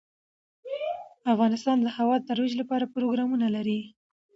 افغانستان د هوا د ترویج لپاره پروګرامونه لري.